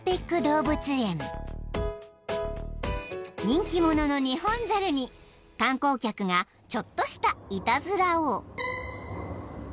［人気者のニホンザルに観光客がちょっとしたいたずらを］